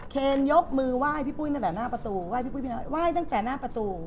เคนยกมือไหว้พี่ปุ๊ยตั้งแต่หน้าประตูไหว้พี่ปุ๊ยพี่น้าไหว้ตั้งแต่หน้าประตู